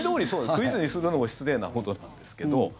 クイズにするのも失礼なほどなんですけども。